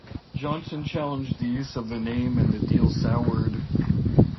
Johnson challenged the use of the name and the deal soured.